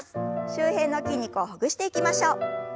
周辺の筋肉をほぐしていきましょう。